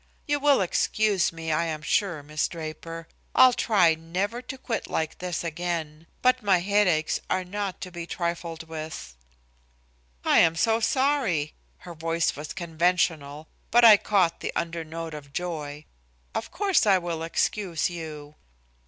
You will excuse me, I am sure, Miss Draper. I'll try never to quit like this again. But my headaches are not to be trifled with." "I am so sorry." Her voice was conventional, but I caught the under note of joy. "Of course I will excuse you."